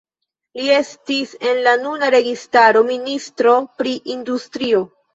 Li estis en la nuna registaro ministro pri industrio.